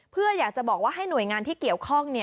เพื่ออยากจะบอกว่าให้หน่วยงานที่เกี่ยวข้อง